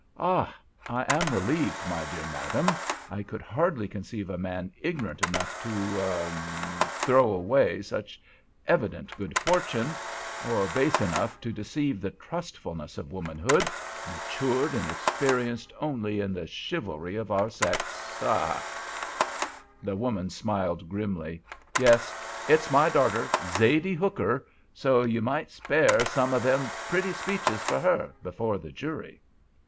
"Ah! I am relieved, my dear madam! I could hardly conceive a man ignorant enough to—er—er—throw away such evident good fortune—or base enough to deceive the trustfulness of womanhood—matured and experienced only in the chivalry of our sex, ha!" The woman smiled grimly. "Yes!—it's my darter, Zaidee Hooker—so ye might spare some of them pretty speeches for her—before the jury."